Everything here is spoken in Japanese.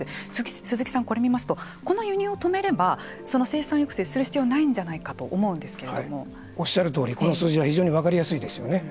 鈴木さん、これを見ますとこの輸入を止めればその生産抑制する必要がないんじゃないかとおっしゃるとおりこの数字は非常に分かりやすいですよね。